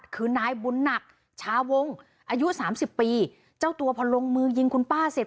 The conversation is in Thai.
คือนายบุญหนักชาวงอายุสามสิบปีเจ้าตัวพอลงมือยิงคุณป้าเสร็จ